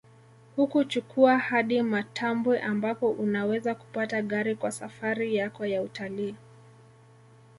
Hukuchukua hadi Matambwe ambapo unaweza kupata gari kwa safari yako ya utalii